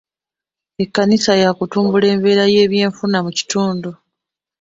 Ekkanisa yaakutumbula embeera y'ebyenfuna mu kitundu.